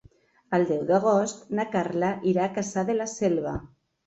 El deu d'agost na Carla irà a Cassà de la Selva.